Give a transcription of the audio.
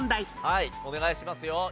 はいお願いしますよ。